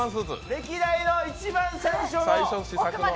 歴代一番最初の。